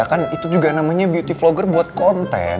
kan itu juga namanya beauty vlogger buat konten